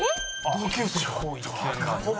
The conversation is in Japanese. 同級生？